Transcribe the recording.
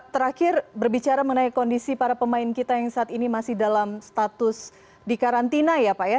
terakhir berbicara mengenai kondisi para pemain kita yang saat ini masih dalam status di karantina ya pak ya